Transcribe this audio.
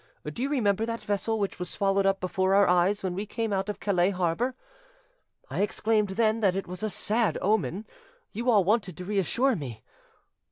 Do you remember that vessel which was swallowed up before our eyes when we came out of Calais harbour? I exclaimed then that it was a sad omen: you all wanted to reassure me.